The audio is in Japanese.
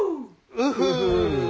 ウフ。